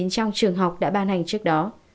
trong trường học đã ban hành trước đó